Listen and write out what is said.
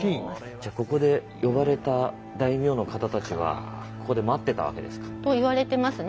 じゃここで呼ばれた大名の方たちはここで待ってたわけですか？と言われてますね。